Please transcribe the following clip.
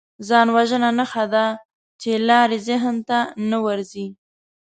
ځانوژنه نښه ده چې لارې ذهن ته نه ورځي